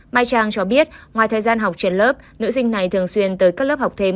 mai trang cho biết ngoài thời gian học trên lớp nữ sinh này thường xuyên tới các lớp học thêm